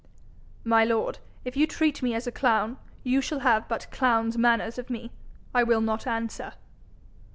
'My lord, if you treat me as a clown, you shall have but clown's manners of me; I will not answer.'